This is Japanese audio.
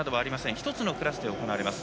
１つのクラスで行われます。